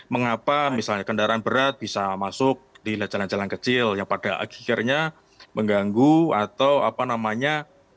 mengapa misalnya kendaraan berat bisa masuk di jalan jalan kecil yang pada akhirnya mengganggu atau apa namanya